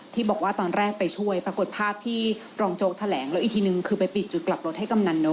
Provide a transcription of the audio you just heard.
ที่บอกว่าตอนแรกไปช่วยปรากฏภาพที่รองโจ๊กแถลงแล้วอีกทีนึงคือไปปิดจุดกลับรถให้กำนันนก